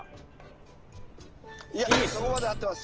いやそこまで合ってます。